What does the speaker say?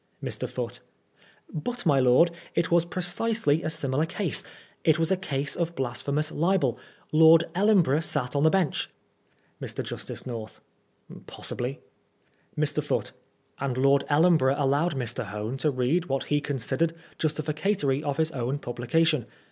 Mr. Foote : But, my lord, it was precisely a similar case — ^it was a case of bla^hemous libeL Lord Ellenborough sat on the bench. Mr. Justice North : Possibly. Mr. Foote : And Lord Ellenborough allowed Mr. Hone to read what he considered justificatory of his own publication.